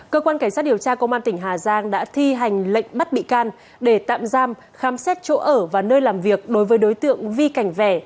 cơ quan cảnh sát điều tra công an tỉnh hà giang đã thi hành lệnh bắt bị can để tạm giam khám xét chỗ ở và nơi làm việc đối với đối tượng vi cảnh vẻ